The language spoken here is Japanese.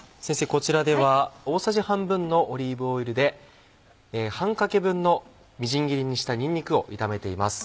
こちらでは大さじ半分のオリーブオイルで半かけ分のみじん切りにしたにんにくを炒めています。